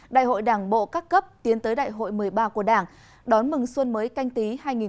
đại hội đảng bộ các cấp tiến tới đại hội một mươi ba của đảng đón mừng xuân mới canh tí hai nghìn hai mươi